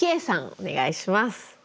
お願いします。